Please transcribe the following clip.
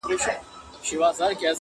زه به مي غزل ته عاطفې د سایل واغوندم,